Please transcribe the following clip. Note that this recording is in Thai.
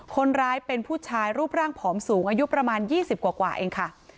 คนร้ายเป็นผู้ชายรูปร่างผอมสูงอายุประมาณ๒๐กว่าเองค่ะ